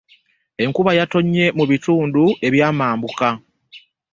Enkuba yattonnye mu bitundu ebyamambuka.